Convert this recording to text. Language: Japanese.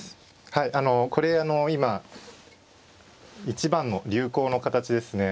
はいあのこれ今一番の流行の形ですね。